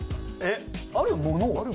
えっあるものを？